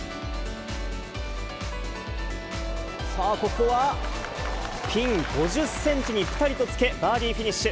ここは、ピン５０センチにぴたりとつけ、バーディーフィニッシュ。